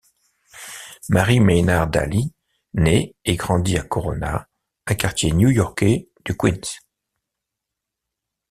Marie Maynard Daly naît et grandit à Corona un quartier new yorkais du Queens.